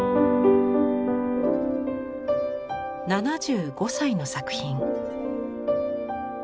７５歳の作品。